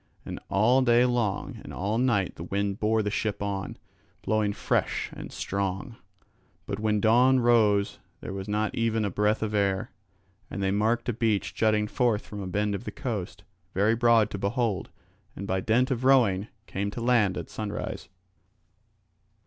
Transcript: And all day long and all night the wind bore the ship on, blowing fresh and strong; but when dawn rose there was not even a breath of air. And they marked a beach jutting forth from a bend of the coast, very broad to behold, and by dint of rowing came to land at sunrise.